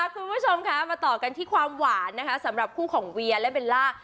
คุณผู้ชมค่ะมาต่อกันที่ความหวานนะคะสำหรับคู่ของเวียและเบลล่า